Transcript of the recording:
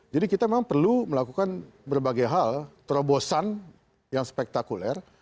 jadi kita memang perlu melakukan berbagai hal terobosan yang spektakuler